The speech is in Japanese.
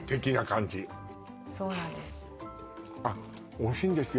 おいしいんですよ